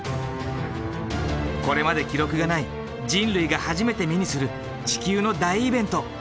これまで記録がない人類が初めて目にする地球の大イベント。